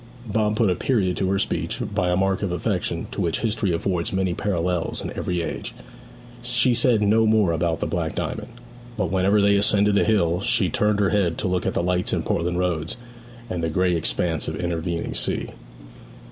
Bob put a period to her speech by a mark of affection to which history affords many parallels in every age. She said no more about the Black Diamond; but whenever they ascended a hill she turned her head to look at the lights in Portland Roads, and the grey expanse of intervening sea.